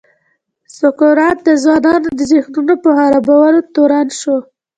سقراط د ځوانانو د ذهنونو په خرابولو تورن شو.